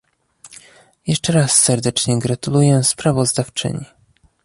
Jeszcze raz serdecznie gratuluję sprawozdawczyni!